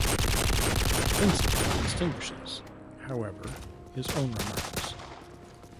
Vincent distinguishes, however, his own remarks.